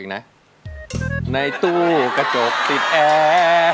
ในต้วกระจกติดแอ